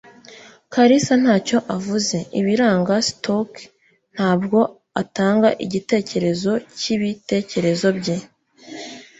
Kalisa ntacyo yavuze, ibiranga stoic ntabwo atanga igitekerezo cyibitekerezo bye.